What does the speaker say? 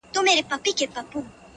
دا خپل عقل مي دښمن دی تل غمګین یم؛